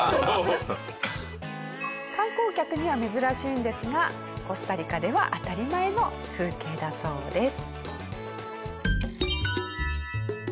観光客には珍しいんですがコスタリカでは当たり前の風景だそうです。